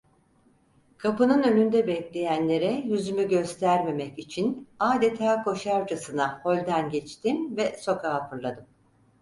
Kapının önünde bekleyenlere yüzümü göstermemek için adeta koşarcasına holden geçtim ve sokağa fırladım.